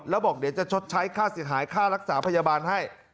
แล้วบอกเดี๋ยวจะชดใช้ค่าเสียหายค่ารักษาพยาบาลให้